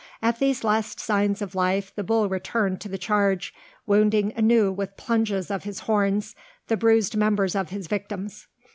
At these last signs of life the bull returned to the charge, wounding anew with plunges of his horns the bruised members of his victims.